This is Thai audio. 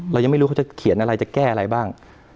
เรายังไม่รู้เขาจะเขียนอะไรจะแก้อะไรบ้าง